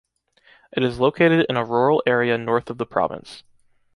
It is located in a rural area North of the province.